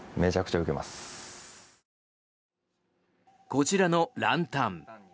こちらのランタン。